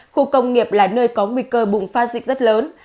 khu công nghiệp là nơi có nguy cơ bùng phát dịch rất lớn